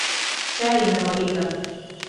Chai imemwagika.